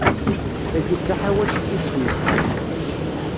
Tayi d taḥawact tis xmesṭac.